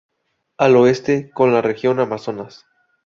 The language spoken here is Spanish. Al Oeste con la Región Amazonas.